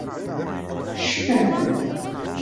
Cfan.